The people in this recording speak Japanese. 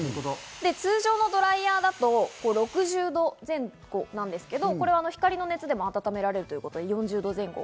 通常のドライヤーだと６０度前後なんですけど、これは光の熱でも温められるので４０度前後。